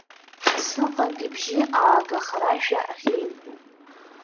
Сыҟан ибжьы аагахрашәа аӷьеҩҳәа.